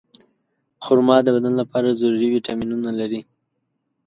خرما د بدن لپاره ضروري ویټامینونه لري.